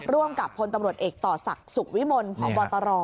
ร่วมกับพลตำรวจเอกต่อศักดิ์สุขวิมลพบตร